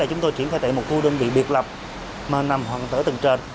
chúng tôi triển khai tại một khu đơn vị biệt lập nằm hoàn toàn ở tầng trệt